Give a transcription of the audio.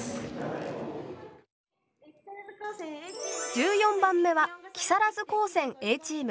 １４番目は木更津高専Ａチーム。